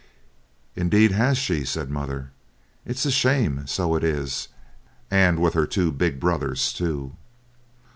'Indeed, has she,' said mother. 'It's a shame, so it is, and her with two big brothers, too.'